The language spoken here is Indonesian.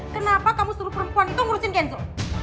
kenapa kamu suruh perempuan itu ngurusin kenzo